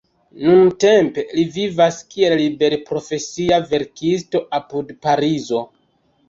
Nuntempe li vivas kiel liberprofesia verkisto apud Parizo.